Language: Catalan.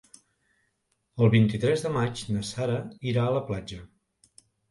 El vint-i-tres de maig na Sara irà a la platja.